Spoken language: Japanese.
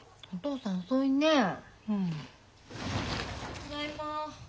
ただいま。